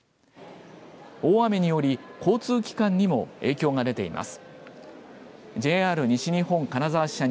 大雨により、交通機関にも影響が出ています。